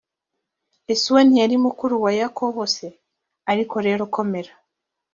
esawu ntiyari mukuru wa yakobo se ariko rero komera